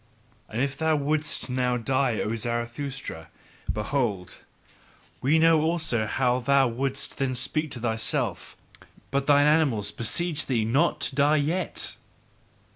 And if thou wouldst now die, O Zarathustra, behold, we know also how thou wouldst then speak to thyself: but thine animals beseech thee not to die yet!